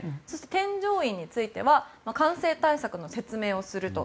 添乗員については感染対策の説明をすると。